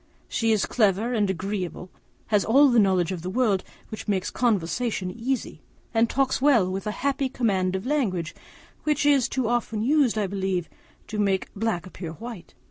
She is clever and agreeable, has all that knowledge of the world which makes conversation easy, and talks very well, with a happy command of language, which is too often used, I believe, to make black appear white.